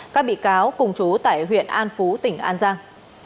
các bị cáo cùng chú tại huyện an phú tỉnh an giang